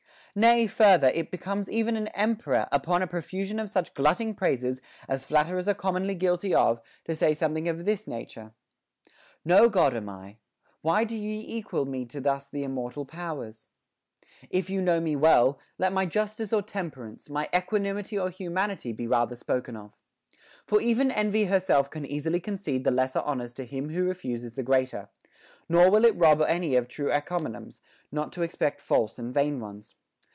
Nay, further, it becomes even an emperor, upon a profusion of such glutting praises as flatterers are com monly guilty of, to say something of this nature : No God am I. Why do ye equal me Thus to th' immortal powers.* If you know me well, let my justice or temperance, my equanimity or humanity, be rather spoken of. For even envy herself can easily concede the lesser honors to him who refuses the greater ; nor will it rob any of true en comiums, not to expect false and vain ones.